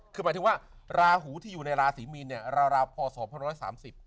คือหมายถึงว่าลาหูที่อยู่ในลาศรีมีนเนี่ยลาลาพศพศ๓๐